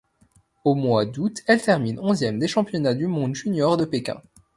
Au mois d'août elle termine onzième des Championnats du monde juniors de Pékin.